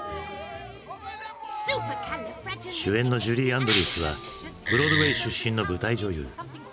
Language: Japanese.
主演のジュリー・アンドリュースはブロードウェイ出身の舞台女優。